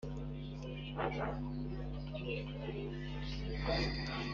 Urampe umbwiriza ukwo bigenda!